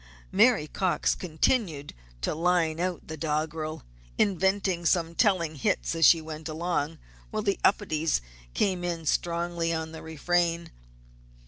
Mary Cox continued to line out the doggerel, inventing some telling hits as she went along, while the Upedes came in strongly on the refrain.